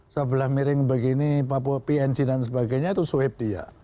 sebelah miring begini papua png dan sebagainya itu swab dia